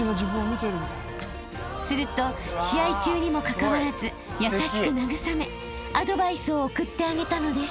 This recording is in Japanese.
［すると試合中にもかかわらず優しく慰めアドバイスを送ってあげたのです］